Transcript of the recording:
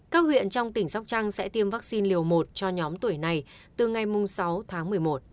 các huyện trong tỉnh sóc trăng sẽ tiêm vaccine liều một cho nhóm tuổi này từ ngày sáu tháng một mươi một